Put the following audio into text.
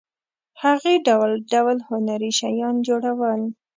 هغې ډول ډول هنري شیان جوړول.